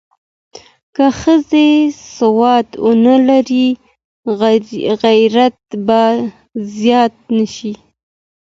که ښځې سواد ونه لري، غربت به زیات شي.